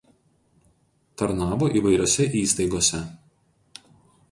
Tarnavo įvairiose įstaigose.